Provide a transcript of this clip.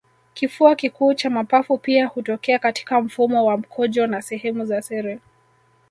kifua kikuu cha mapafu pia hutokea katika mfumo wa mkojo na sehemu za siri